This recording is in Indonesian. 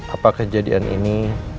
apa kejadian ini